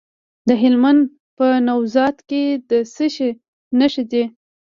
د هلمند په نوزاد کې د څه شي نښې دي؟